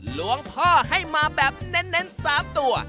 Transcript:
หลวงพ่อให้มาแบบเน้น๓ตัว